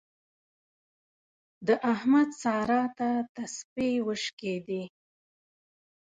د احمد سارا ته تسپې وشکېدې.